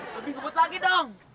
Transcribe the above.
lebih ngebut lagi dong